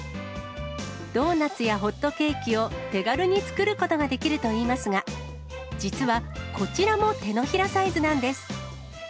ドーナツやホットケーキを手軽に作ることができるといいますが、実はこちらも手のひらサイズなんです。